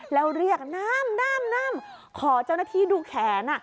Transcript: แล้วเรียกขอร้องหากดูแขน